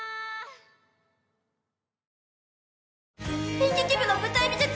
演劇部の舞台美術